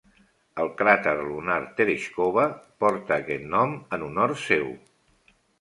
El cràter lunar Tereixkova porta aquest seu nom en honor seu.